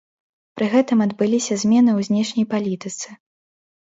Пры гэтым адбыліся змены ў знешняй палітыцы.